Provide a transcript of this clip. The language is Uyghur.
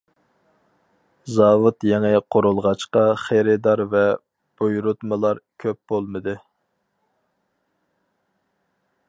زاۋۇت يېڭى قۇرۇلغاچقا، خېرىدار ۋە بۇيرۇتمىلار كۆپ بولمىدى.